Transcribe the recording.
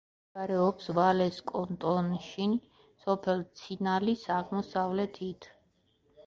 მდებარეობს ვალეს კანტონში, სოფელ ცინალის აღმოსავლეთით.